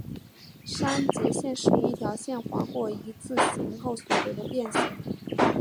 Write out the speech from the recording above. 删节线是以一条线划过一字形后所得的变型。